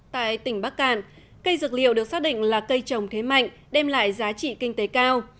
tại tỉnh bắc cạn cây dược liệu được xác định là cây trồng thế mạnh đem lại giá trị kinh tế cao